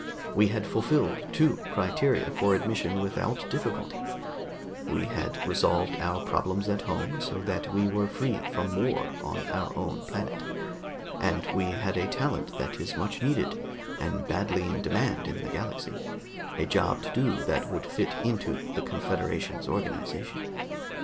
We had fulfilled two criteria for admission without difficulty we had resolved our problems at home so that we were free from war on our own planet, and we had a talent that is much needed and badly in demand in the galaxy, a job to do that would fit into the Confederation's organization.